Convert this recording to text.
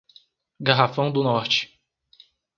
Garrafão do Norte